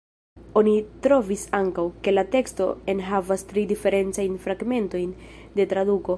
Oni trovis ankaŭ, ke la teksto enhavas tri diferencajn fragmentojn de traduko.